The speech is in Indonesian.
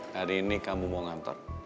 hari ini kamu mau ngantor